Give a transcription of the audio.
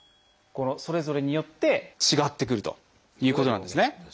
それぞれによって違ってくるということなんですね。